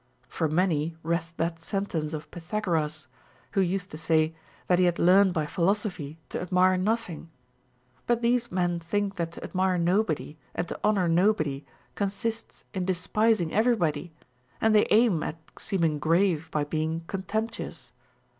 For many wrest that sentence of Pythagoras, who used to say that he had learned by philosophy to admire nothing ; but these men think that to admire nobody and to honor no body consists in despising everybody, and they aim at seem ing grave by being contemptuous.